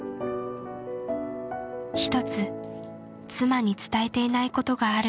一つ妻に伝えていないことがあるという。